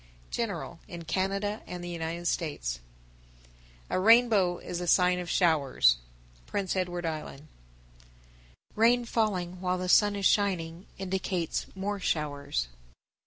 General in Canada and the United States. 976. A rainbow is a sign of showers. Prince Edward Island. 977. Rain falling while the sun is shining indicates more showers.